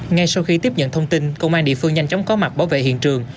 ngay sau khi tiếp nhận thông tin công an địa phương nhanh chóng có mặt bảo vệ hiện trường